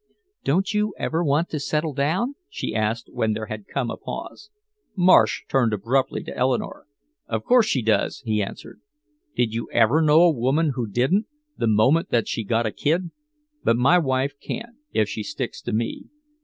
"Don't you ever want to settle down?" she asked when there had come a pause. Marsh turned abruptly to Eleanore. "Of course she does," he answered. "Did you ever know a woman who didn't, the minute that she got a kid? But my wife can't, if she sticks to me.